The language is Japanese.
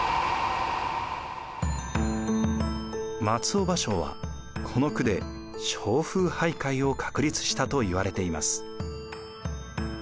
松尾芭蕉はこの句で蕉風俳諧を確立したといわれています。